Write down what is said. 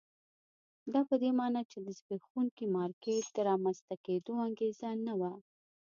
دا په دې معنی چې د زبېښونکي مارکېټ د رامنځته کېدو انګېزه نه وه.